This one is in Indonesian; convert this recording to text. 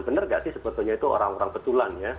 benar nggak sih sebetulnya itu orang orang betulan ya